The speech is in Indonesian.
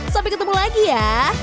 sampai ketemu lagi ya